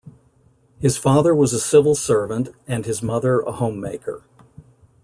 His father was a civil servant and his mother, a homemaker.